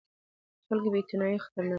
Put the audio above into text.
د خلکو بې اعتنايي خطرناکه ده